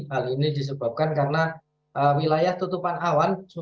hal ini disebabkan karena wilayah tutupan awan